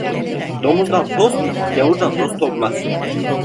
Domuzdan post gâvurdan dost olmaz.